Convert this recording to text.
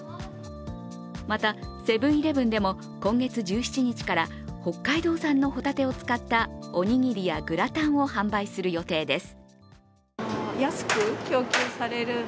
また、セブン−イレブンでも今月１７日から北海道産のホタテを使ったおにぎりやグラタンを販売する予定です。